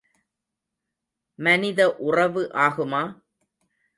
மதனி உறவு ஆகுமா?